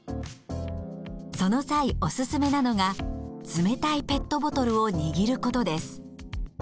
その際おすすめなのが冷たいペットボトルを握ることです。